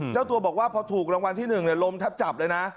เจ้าตัวบอกว่าพอถูกรางวัลที่๑ลมทับจับเลยนะ